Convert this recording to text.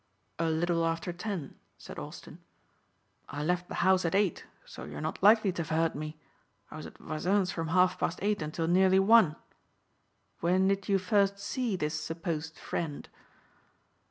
"A little after ten," said Austin. "I left the house at eight, so you are not likely to have heard me. I was at Voisin's from half past eight until nearly one. When did you first see this supposed friend?"